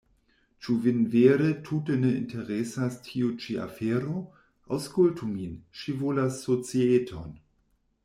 Ĉu Vin vere tute ne interesas tiu ĉi afero? Aŭskultu min, ŝi volas societon!